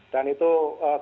dan itu kemungkinan